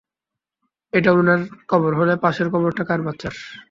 এটা উনার কবর হলে, পাশের কবরটা কার বাচ্চার?